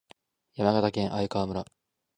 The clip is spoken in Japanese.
山形県鮭川村